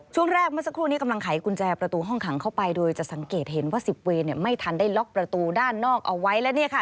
ช่วงแรกเมื่อสักครู่นี้กำลังไขกุญแจประตูห้องขังเข้าไปโดยจะสังเกตเห็นว่าสิบเวนเนี่ยไม่ทันได้ล็อกประตูด้านนอกเอาไว้แล้วเนี่ยค่ะ